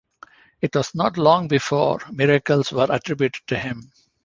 It was not long before miracles were attributed to him.